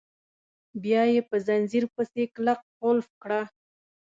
بیا یې په ځنځیر پسې کلک قلف کړه.